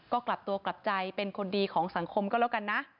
ก็กลับตัวกลับใจเป็นคนดีของสังคมก็แล้วกันนะ